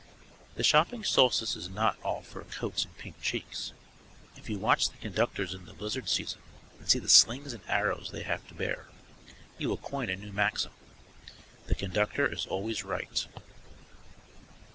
The shopping solstice is not all fur coats and pink cheeks. If you watch the conductors in the blizzard season, and see the slings and arrows they have to bear, you will coin a new maxim. The conductor is always right.